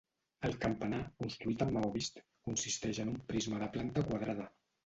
El campanar, construït en maó vist, consisteix en un prisma de planta quadrada.